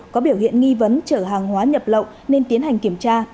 có biểu hiện nghi vấn chở hàng hóa nhập lậu nên tiến hành kiểm tra